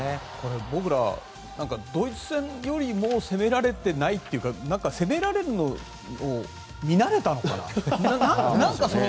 僕ら、ドイツ戦よりも攻められてないというか攻められるのを見慣れたのかなと。